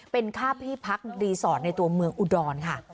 เป็นค่าที่พักรีสอร์ทในตัวเมืองอุดรค่ะ